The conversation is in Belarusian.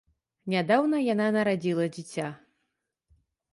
Нядаўна яна нарадзіла дзіця.